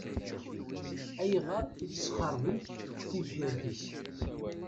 Ayɣer i tesxeṛbemt tibḥirt-is?